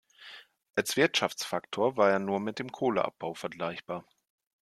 Als Wirtschaftsfaktor war er nur mit dem Kohleabbau vergleichbar.